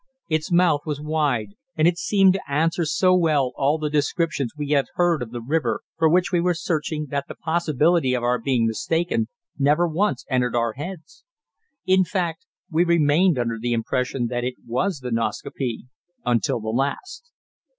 Its mouth was wide, and it seemed to answer so well all the descriptions we had heard of the river for which we were searching that the possibility of our being mistaken never once entered our heads; in fact, we remained under the impression that it was the Nascaupee until the last.